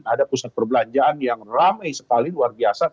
ada pusat perbelanjaan yang ramai sekali luar biasa